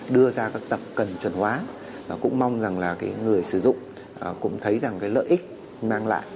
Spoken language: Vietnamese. đưa ra các tập cần chuẩn hóa cũng mong rằng là cái người sử dụng cũng thấy rằng cái lợi ích mang lại